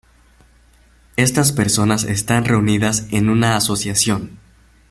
Estas personas están reunidas en una asociación.